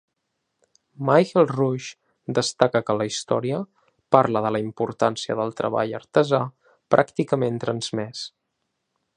Michel Rouche destaca que la història parla de la importància del treball artesà pràcticament transmès.